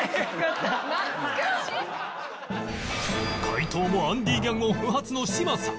解答もアンディギャグも不発の嶋佐